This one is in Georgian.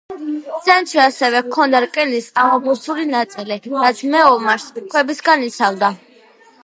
ცენტრში ასევე ჰქონდა რკინის ამობურცული ნაწილი, რაც მეომარს ქვებისგან იცავდა.